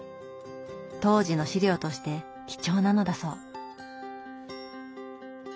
当時の資料として貴重なのだそう。